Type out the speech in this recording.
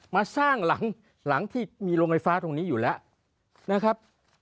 มาสร้างหลังที่มีโรงไฟฟ้าตรงนี้อยู่แล้วนะครับ